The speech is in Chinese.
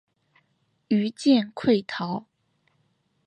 余舰溃逃。